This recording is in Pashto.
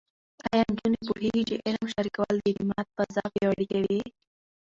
ایا نجونې پوهېږي چې علم شریکول د اعتماد فضا پیاوړې کوي؟